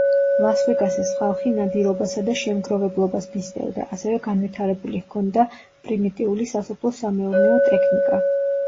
ლას-ვეგასის ხალხი ნადირობასა და შემგროვებლობას მისდევდა, ასევე განვითარებული ჰქონდა პრიმიტიული სასოფლო-სამეურნეო ტექნიკა.